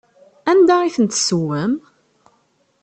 Anda i ten-tessewwem?